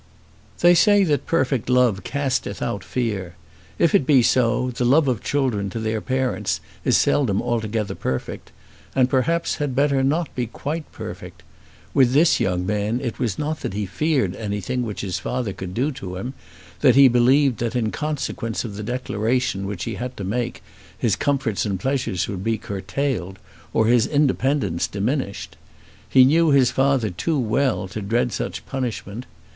They say that perfect love casteth out fear. If it be so the love of children to their parents is seldom altogether perfect, and perhaps had better not be quite perfect. With this young man it was not that he feared anything which his father could do to him, that he believed that in consequence of the declaration which he had to make his comforts and pleasures would be curtailed, or his independence diminished. He knew his father too well to dread such punishment.